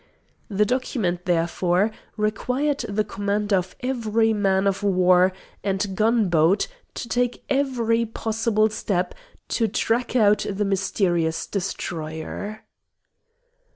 The document, therefore, required the commander of every man of war and gunboat to take every possible step to track out the mysterious destroyer.